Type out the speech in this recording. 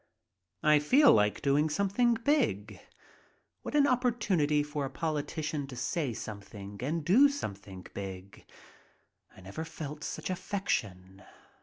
I feel like doing something big. What an opportunity for a politician to say something and do something big! I never felt such affection.